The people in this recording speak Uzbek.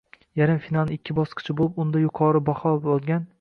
Yarim finalning ikki bosqichi bo‘lib, unda yuqori baho olgan